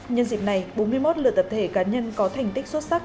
nhân dịp này bốn mươi một lượt tập thể cá nhân có thành tích xuất sắc